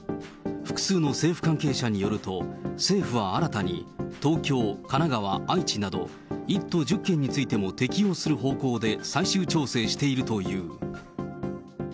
複数の政府関係者によると、政府は新たに、東京、神奈川、愛知など、１都１０県についても適用する方向で最終調整しているという。